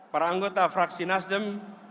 para anggota fraksi nasdem